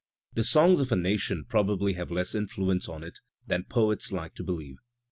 The songs of a nation probably have less influence on it than poets like to believe.